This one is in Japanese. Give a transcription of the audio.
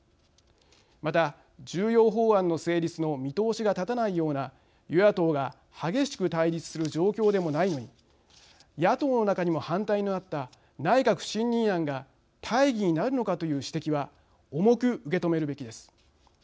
また重要法案の成立の見通しが立たないような与野党が激しく対立する状況でもないのに野党の中にも反対のあった内閣不信任案が大義になるのかという指摘は重く受け止めるべきです。